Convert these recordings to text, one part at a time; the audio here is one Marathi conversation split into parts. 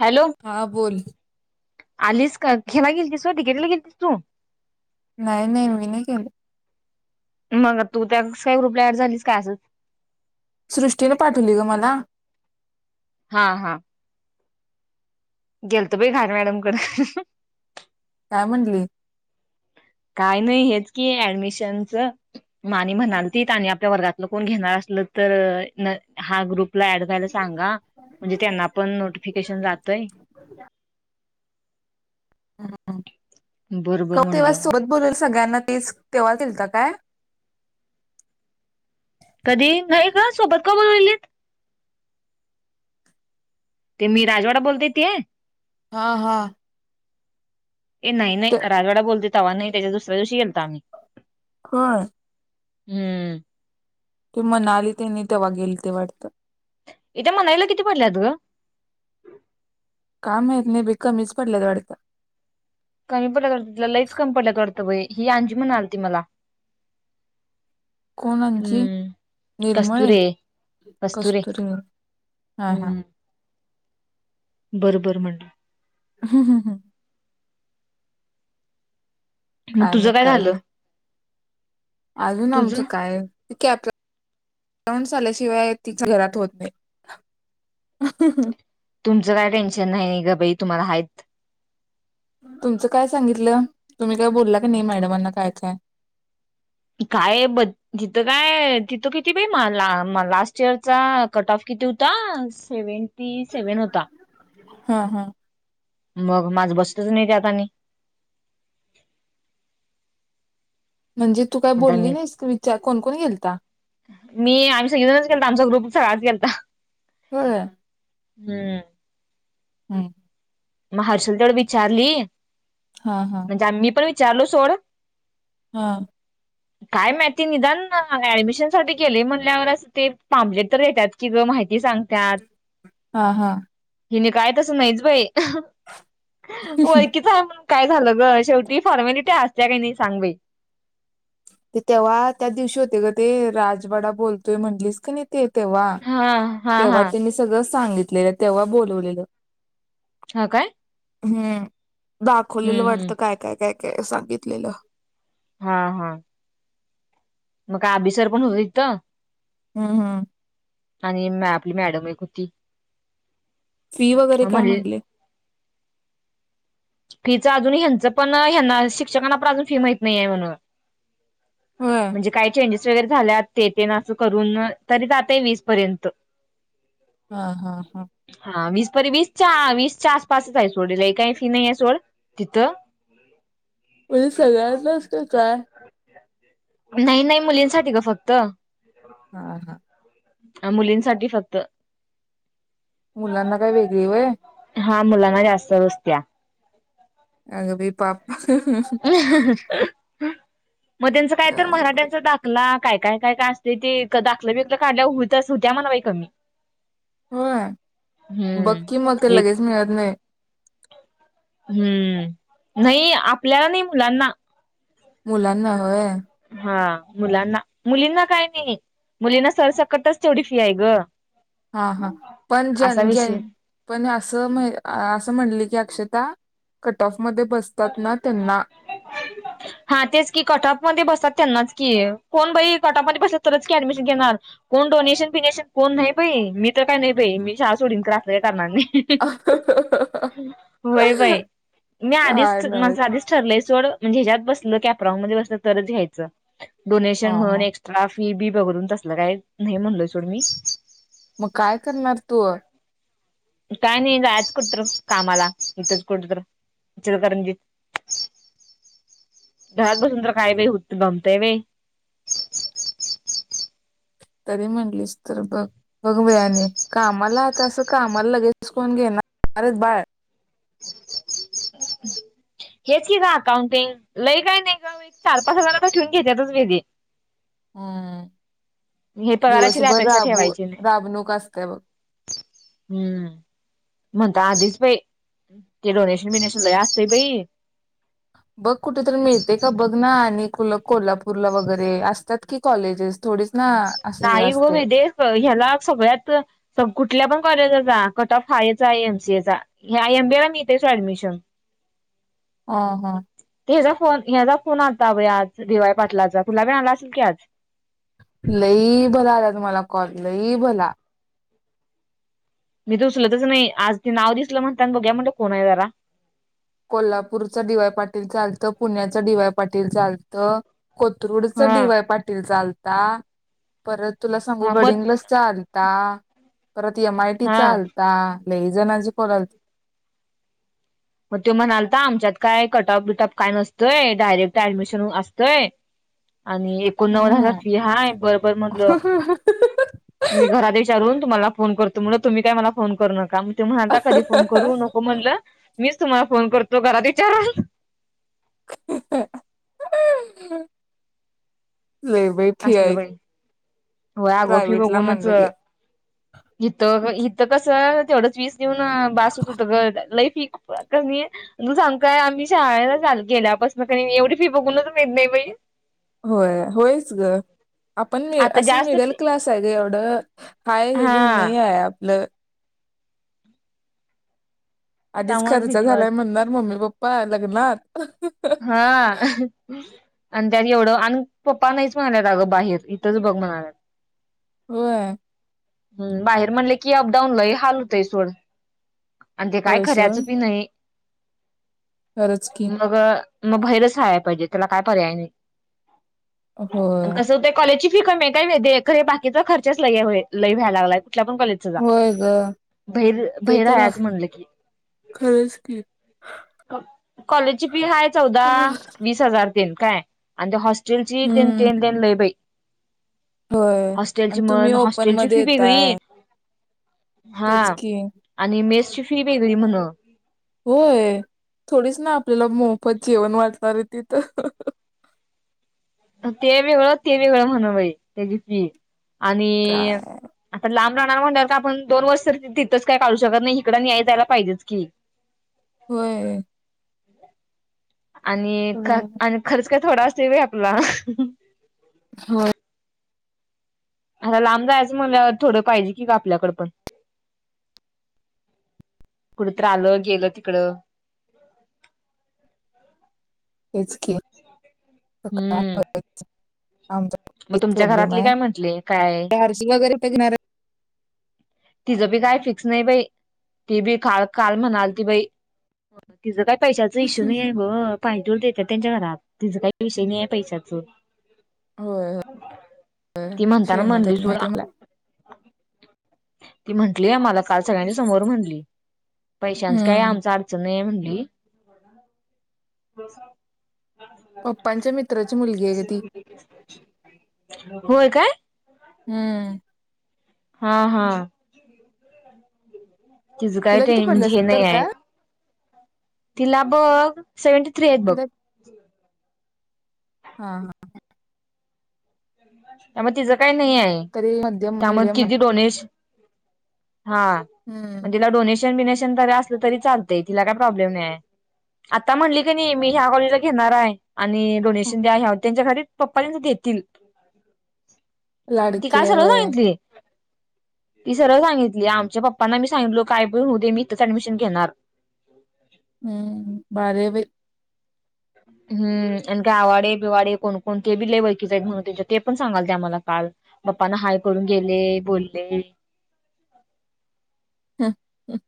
हॅलो हा बोल. आलीस का हेला गेलतीस व्हय [inaudible] ला गेलतीस तू? नाही नाही मी नाही गेले. मग तू त्या काही दुसऱ्या ग्रुप ऍड झालीस का असं? सृष्टीने पाठवली गं मला. हा हा गेलते बाई [inaudible] मॅडम कडे. काय म्हणली? काय नाही हेच की ऍडमिशनचं माने म्हणालती आणि आपल्या वर्गातलं कोण घेणार असलं तर हा ग्रुप ला एड व्हायला सांगा म्हणजे त्यांना पण नोटिफिकेशन जातंय. बरोबर क म्हणलं तेव्हाच मग सोबत बोलेलं सगळ्यांना तेच तेव्हाच केलतं काय? कधी नाही ग सोबत कोण [inaudible] ते मी राजवाडा बोलते ते? हा हा ए नाही ते नाही राजवाडा बोलते तवा नाही त्याच्या दुसऱ्या दिवशी गेलतो आम्ही. होय. हम्म ती म्हणाली तेनी तेव्हा गेलती वाटतं. ए त्या मनालीला किती पडलेत गं? काय माहित नाय बाई कमीच पडल्यात वाटतं. कमी पडल्यात वाटतं तिला लईच कमी पडल्या वाट व्हय ही अंजी म्हणालती मला. कोण अंजी हम्म निर्मळे कस्तुरे कस्तुरे हा हा. बर बर म्हणलं. हम्म हम्म हम मग तुझं काय झालं? अजून आमचं तुझं काय कॅ [inaudible] ल्याशिवाय तिच्या [inaudible] होत नाही. तुमचं काय टेन्शन नाही गं बाई तुम्हाला हायत. तुमचं काय सांगितलं तुम्ही काय बोलला की नाही मॅडमांना काय काय? काय ब तिथं काय तिथं किती बाई मला लास्ट इयरचा कट ऑफ किती होता सेवनटी सेव्हन होता. हा हा मग माझं बसतच नाही त्यात आणि. म्हणजे तू काय आता बोलली मी नाहीस का विचार कोण कोण गेलता? मी आम्ही सगळेजणच गेलतो आमचा ग्रुप सगळाच गेलता. होय. हम्म. हम्. मग हर्षल तेवढ विचारली हा हा म्हणजे आम्ही पण विचारलं विचारलं सोड. हा. काय माहिती निदान ऍडमिशन साठी गेले म्हणल्यावर अस ते पॅम्प्लेट तर देतात कि गं माहिती सांगतात हा हा. हिने काय तसं नाहीच बाई. होऐ कच आहे म्ह काय झालं ग शेवटी फॉर्मॅलिटी असत्या काही नाही सांग बाई. ते तेव्हा त्या दिवशी होते ग ते राजवाडा बोलतोय म्हणलीस कणी ते तेव्हा हा हा तेव्हा हा तेनी सगळं सांगितलेलं तेव्हा बोलवलेलं. हा काय? हम्म. दाखवलेलं हम्म हम्म वाटतं काय काय काय? सांगितलेलं. हा हा. मग काय अभी सर पण होत तिथं? हम्म हम्म. आणि मॅम आपली मॅडम एक होती. फी वगैरे मग काय म्हणले म्हटले. फीच अजून ह्यांचं पण ह्याना शिक्षकांना पण अजून फी माहित नाहीय म्हणून होय म्हणजे काय चेंजेस वगैरे झाल्यात ते तेन असं करून तरी जातय वीस पर्यंत. हा हा हा. च्या वीसच्या आसपासच आहे सोडल लई काय ती नाही आहे सोड तिथं. म्हणजे सगळंच असतय काय? नाही नाही मुलींसाठी ग फक्त. हा हा. ह मुलींसाठी फक्त. मुलांना काय वेगळी व्हय? हा मुलांना जास्त बसत्या. अग बाई पाप. ह. मग त्यांचं काय तर मराठ्यांचा दाखला काय काय काय काय असते ते दाखलं बिकलं काढल्या होतच होत्या म्हण कमी होय बग की मग ते हम्म एक लगेच मिळत नाही. हम्म नाही आपल्याला नाही मुलांना मुलांना होय. हा मुलांना मुलींना काय नाही मुलींना सरसकटच तेवढी फी आहे ग. हा हा पण असा जन विषय ज्याची पण असं म्हणली की अक्षता कट ऑफ मध्ये बसतात ना त्यांना हा तेच की कट ऑप मध्ये बसतात त्यांनाच की कोण बाई कट ऑप मध्ये बसलं की तरच की ऍडमिशन घेणार कोण डोनेशन पिनेशन कोण नाही बाई मी तर काही नाही बाई मी शाळा सोडीन खर असलं काय करणार नाही व्हय बाई मी काय आधीच नव्हच माझं आधीच ठरलंय सोड. म्हणजे ह्याच्यात बसलं कॅपराँन मध्ये बसलं तरच घ्यायचं. हा डोनेशन म्हणून हा एक्स्ट्रा फी बी बघून तसल का मग काय करणार तू काय नाही जायच कुठतर कामाला इथच कुठतर ईचलकरंजी त घरात बसुन तरी म्हटलीस तर बघ बघ बाई कामाला आता असं कामाला लगेचच कोण घेणारेत बाळ हेच की का अकाउंटिंग लय काय नाही ग चार पाच हजार तर ठेवून घेत्यातच वेधी हम्. पगाराची लय दिवसभर अपेक्षा राबू ठेवायची नाही. राबणूक असतय बघ. हम्म म्हणता आधीच बाई ते डोनेशन बिनेशन लयी असते बाई बघ कुठेतरी मिळते का बघ ना आणि कोल्हापूरला वगैरे असतात की कॉलेजेस थोडीच ना असे हे नाही ग असते वेदेे ह्याला सगळ्यात कुठल्या पण कॉलेज ला जा कट ऑफ हाचा एमसीए चा आय एमबी ला मिळतेस ऍडमिशन ह हा. ते ह्याचा फोन ह्याचा फोन आता आज डिवाय पाटलाचा तुला बी आला असेल की आज लई भला आला तुम्हाला कॉल लई भला मी तर उचलतच नाही आज ते नाव दिसलं म्हणताना बघूया म्हणल कोण आहे जरा कोल्हापूरचं डीवाय पाटील चालतं पुण्याचं डीवाय पटेल च आलतं. कोथरूडचं हा डी वाय पाटील च आलत. [unintelligible] परत तुला सांगू हा मग गडिंग्लज च आलत. [inaudible] परत एम आय टी हा चालता. लयी जणांची पोर त्यो म्हणाल्ता आमच्यात काय कटफ बिटफ काय नसतोय, डायरेक्ट ऍडमिशन असतय. आणि एकोणनव्वद हजार हम्म फी हाय बरबर म्हटलं मी घरात विचारून तूम्हाला फोन करतो. तुम्ही मला फोन करू नका. ते म्हणालता कधी फोन करू नको म्हणलं मीच तुम्हाला फोन करतो, घरात विचारून ह [unintelligible] लयी बाई फी आहे. व्हय आग फी बघूनच इथं इथं कस तेवढच वीस येऊन बस होत होत ग लाईफ [unintelligible] फी कू सांगू काय आम्ही शाळेलाल गेल्यापासून क एवढी फी बघूनच भीत नाही बाई होय होयच ग आपण आता असं जास्त मिडल फी क्लास आहे ग एवढं हाय हेज हा नाही आहे आपलं आधीच त्यामुळेच खर्च भीती झालाय वाटते म्हणणार मम्मी पप्प पय लग्नात हा आणि त्यात एवढं आणि पप्पा नाहीच म्हणाल्यात अगं बाहेर इथंच बघ म्हणाल्यात. होय. हम् बाहेर म्हणले कि अपडाऊन लय हाल होतंय सोड आणि ते काय होय खऱ्याचं सोड भी नाही. खरंच की मग मग भैरच राला पाहिजे त्याला काय पर्याय नाही. आणि होय कसं होत कॉलेज कमी आहे, कायरे बाकीचा खर्च ल लई व्याय लागलाय. कुठल्या पण कॉलेजचा जा होय ग बाहेर ते बाहेर तर राहायचं म्हणलं की खरंच की कॉलेजची फी हाय चौदा वीस हजार काय अन् ते होस्ट तेलची द हम्म तेनेन ल बाई. होय आणि हॉस्टेलची तुम्ही म्हण ओपन हॉस्टेलची मध्ये फी वेगळी यताय. हा आणि मेसची फी वेगळी म्हण थोडीस ना आपल्याला मोग फत जेवण वाटलं रे तिथ तेवे कळ तेवे कळ म्हण बाई तेजपी आणि काय आता लांब. णार म्ह आपण दोन वर्ष तर तिथंच काय काढू शकत नाही इकडं नाही्याय जायला पाहिजेच की होय. आणि ख हम्म. आणि खर्च का थोडासाेव आपला होय आता लांब जायचं मला थोडं पाहिजे की का आपल्याकड पण कुठत्र आलं गेलं तिकडं. हेच क काय हम्म बघ आमचा मग तुमच्या प्रॉब्लेम घरातली काय म्हंटले काय आहे आरशीी वगैरे पेघणार तिचं बी काय फिक्स नाही बाई ती बी काल काल म्हणालती बाई तिचं काय पैशाचा इश्यू लई आहे ग पायले. तू देतात त्यांच्या घरात तिच काही विषय नाही आहे पैशाचं होय होय ती म्हणताना श्रीमंत आहे म्हणली ती सुड. माहिती आहे मला ती म्हंटली मला काल सगळ्यांनी समोर म्हणली पैशांच काय हम्म आमचा अडचण नाहिये म्हणली. पप्पांच्या मित्राची मुलगी आहे ग ती [inaudible] होय काय? हम्म. हा हा. तिझ काय तिला किती म्हणजे पडले हे नाही सत्तर आहे. का तिला बघ सेव्हंटी थ्री आहेत बघ. तिला हा हा. त्यामुळ तिझ काही नाही आहे तरी मध्यम त्यामुळे मिडियम आहे किती डोनेशन? हा मग हम्म तिला डोनेशन बीनेशन अस तरी चालतय तिला काय प्रॉब्लेम नाही आता म्हणली कनी मी ह्या कॉलेज घेणार आहे. आणि डोनेशन द्या ह्याव त्यांच्या घरी पप्पा तेनी देतील. ती लाडकी काल आहे सरळ वय सांगितली. ती सरळ सांगितली आमच्या पप्पांना मी सांगितलो हम्म भारी आहे बाई. हम्म आणि ते आवाडे बिवाडे कोन कोन तेबी लयी ओळखिचे आहेत म्हणून तीच्या ते पण सांगालती ते पण सांगा आम्हाला काल पप्पना हाय करून गेले बोलले. ह ह [unintelligible]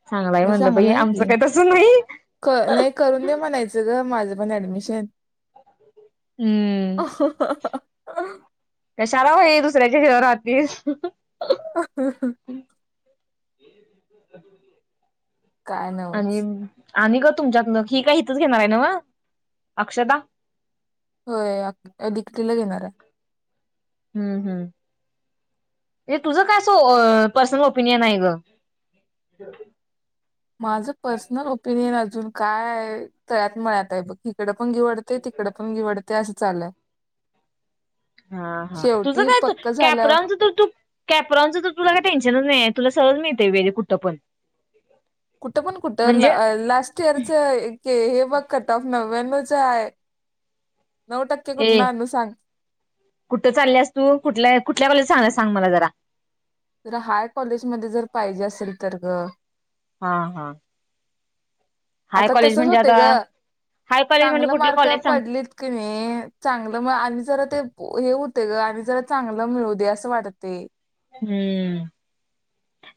ह [unintelligible] मग चांगला आहे. की नाही, करून दे म्हणायचं ग माझं पण ऍडमिशन हम्म अ [unintelligible] कशाला बाई दुसऱ्याच्या जीवावर राहतीस. [unintelligible] [inaudible] काय आणि नव्हच. आणि ग तुमच्यातन ही काही इथच घेणार आहे. नव्ह अक्षता होय दिकेटीला घेणार आहे. हम् हम् हे तुझं काय अस पर्सनल ओपिनियन आहे ग माझं पर्सनल ओपिनियन अजून काय तळ्यात मळत आहे बघ तिकड णिवडते तिकडे पण घिवडते. ते असं चालंय. हा हा तुझं काय झाल्यावर कॅपरानच तर तू कॅपरॉनच तर तुला काय टेन्शनच नाही तुला सल नाही ते वेळे कुठ पण कुठं पण कुठं म्हणजे लास्ट इयरच हे वक कट ऑफ. नव्याण्णव आहे. नऊ टक्के ए कुठनं आणू सांग कुठ चालस तू कुठल्या कुठल्या कॉले सांग- सांग मला जरा तर हाय कॉलेजमध्येध्ये जर पाहिजे असेल तर ग हा हा. हाय आता कॉलेज तसच म्हणजे होते आता ग हाय कॉलेज म्हणजे चांगलं कुठलं मार्क कॉलेज सांग पडलीत की नाही चांगलं म आणि जरा ते हे होते ग आणि जरा चांगलं मिळू दे असं वाटते. हम्म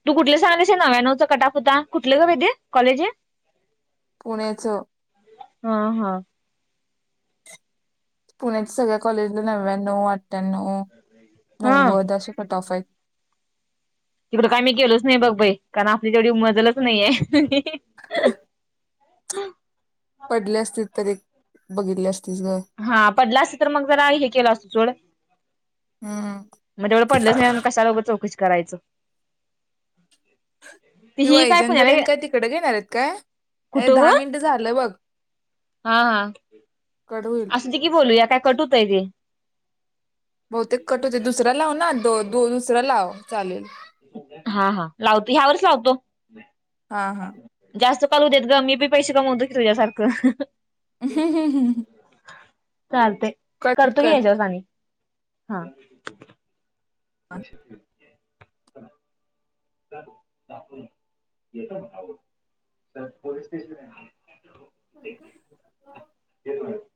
तू कुठलं सांगलस नव्यानवचा कटाफुता कुठलं का बाहि ते कॉलेज आहे. पुण्याच हा हा. पुण्याच्या सगळ्या कॉलेजला नव्या्णव वा हा आठ्यानाव अशी कट ऑफ आहे. तिकड काय मी गेलोच नाही बघ बाई कारण आपली तेवढी उमजलच नाहीये. ह [unintelligible] हम. पडले असतील तर एक. बघितल्या हा पडला असे तर मग जरा हे केलं असतं चड हम म तेवढं पडलेच नाही म कशाला उगच चौकशी करायचं. ती ही काय वैजनता पुण्याला न ते काय तिकड घेणार आहेत, काय कुठं ग दहा मिनट झालं बघ. हा हा कट होईल असू दे की बोलूया काय कट होतय ते. बहुतेक कट होते, दुसरा लाव ना. द दोन दुसरं लाव चालेल. हा हा लावतो, ह्यावरच लावतो. हा हा. जास्त कॉल देत ग मी पी पैसे कमवतो, की तुझ्यासारखं. चुकीचं चालतय कट करतो, की कर हेच्यावरच आणि हा हा [inaudible] [unintelligible] पोलीस स्टेशन आहे [unintelligible]